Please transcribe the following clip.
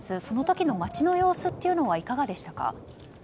その時の街の様子はいかがでしたか？